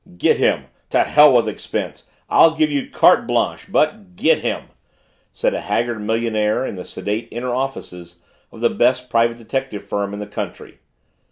"Get him to hell with expense I'll give you carte blanche but get him!" said a haggard millionaire in the sedate inner offices of the best private detective firm in the country.